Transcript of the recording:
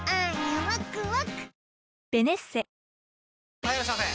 ・はいいらっしゃいませ！